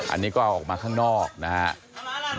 อันนี้ก็เอาออกมาข้างนอกนะครับ